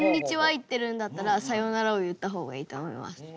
言ってるんだったら「さようなら」を言った方がいいと思います。